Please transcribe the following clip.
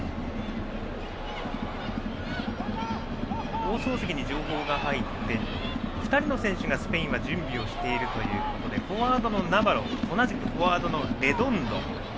放送席に情報が入って２人の選手がスペインは準備をしているということでフォワードのナバロ同じくフォワードのレドンド。